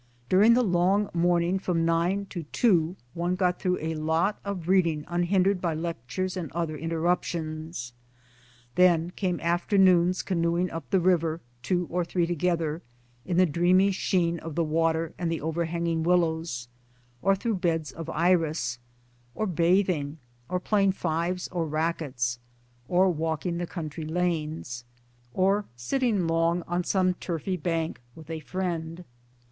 During the long morning from nine to two one got through a lot of reading unhindered by lectures and other interrup tions ; then came afternoons canoeing up the river, two or three together, in the dreamy sheen of the water and the overhanging willows, or through beds of iris ; or bathing ; or playing fives or rackets ; or walking the country lanes, or sitting long on some turfy bank with a friend.